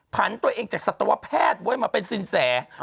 ผันตัวเองจากสัตวแพทย์ไว้มาเป็นสินแส